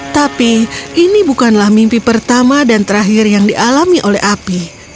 tapi ini bukanlah mimpi pertama dan terakhir yang dialami oleh api